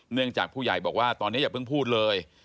เนื่องจากผู้ใหญ่บอกว่าตอนนี้อย่าเพิ่งพูดเลย